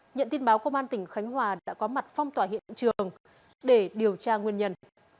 nhận tin báo công an tỉnh khánh hòa đã có mặt phong tỏa hiện trường để điều tra nguyên nhân